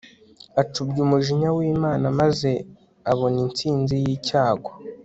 acubya umujinya w'imana maze abona intsinzi y'icyago